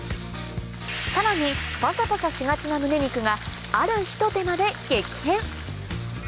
さらにパサパサしがちなむね肉があるひと手間で激変！